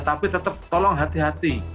tapi tetap tolong hati hati